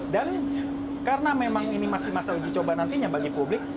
dan karena memang ini masih masa uji coba nantinya bagi publik